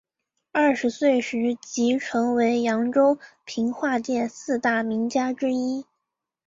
二十岁时即成为扬州评话界四大名家之一。